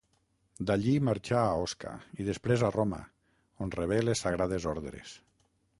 D'allí marxà a Osca i després a Roma, on rebé les sagrades ordres.